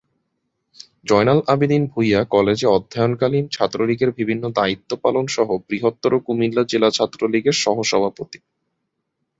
জয়নাল আবেদীন ভুঁইয়া কলেজে অধ্যয়নকালীন ছাত্রলীগের বিভিন্ন দায়িত্ব পালন সহ বৃহত্তর কুমিল্লা জেলা ছাত্রলীগের সহসভাপতি।